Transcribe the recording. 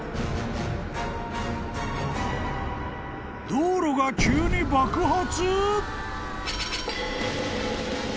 ［道路が急に爆発！？］